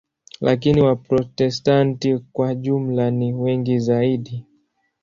Lakini Waprotestanti kwa jumla ni wengi zaidi.